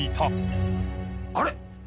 あれ？